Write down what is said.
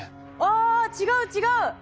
あ違う違う。